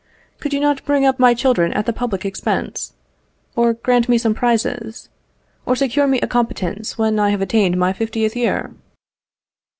Could you not bring up my children at the public expense? or grant me some prizes? or secure me a competence when I have attained my fiftieth year?